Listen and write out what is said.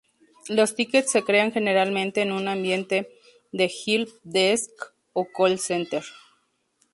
Los tickets se crean generalmente en un ambiente de help desk o call center.